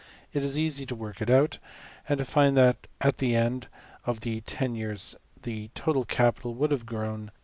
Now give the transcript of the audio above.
It is easy to work it out, and find that at the end of the ten years the total capital \DPPageSep{148.